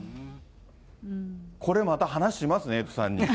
これまた、話しますね、エイトさんに。